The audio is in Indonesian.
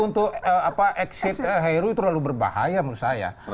untuk exit heru itu terlalu berbahaya menurut saya